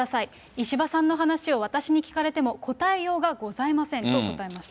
石破さんの話を私に聞かれても答えようがございませんと答えました。